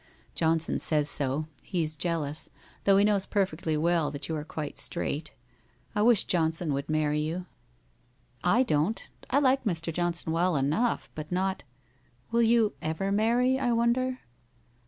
Johnson says so, he is jealous, though he knows perfectly well that you are quite straight. I wish Johnson would marry you?' ' I don't. I like Mr. Johnson well enough, hut not '' Will you ever marry, I wonder